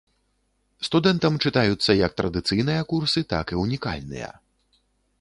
Студэнтам чытаюцца як традыцыйныя курсы, так і ўнікальныя.